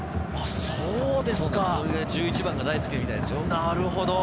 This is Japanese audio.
それくらい１１番が大好きみたいですよ。